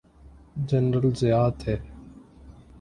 General Zia تھے۔